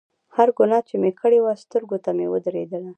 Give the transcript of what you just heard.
هره ګناه چې مې کړې وه سترګو ته مې ودرېدله.